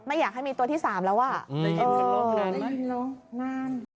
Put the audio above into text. ไม่อยากให้มีตัวที่สามแล้วอ่ะอืมได้ยินหรอน่ะน่าน่า